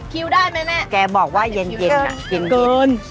๕๐คิวได้ไหมเนี่ยแกบอกว่าเย็นเกินค่ะเกินเกิน